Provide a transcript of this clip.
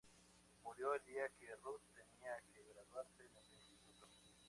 Murió el día que Ruth tenía que graduarse en el instituto.